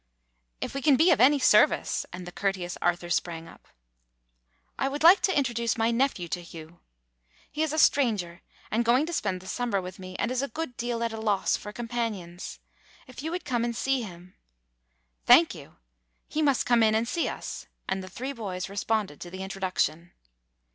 "If we can be of any service," and the cour teous Arthur sprang up. "I would like to introduce my nephew to you. He is a stranger, and going to spend the summer with me, and is a good deal at loss for companions. If you would come and see him—" "Thank you. He must come in and see us ;" and the three boys responded to the introduc tion.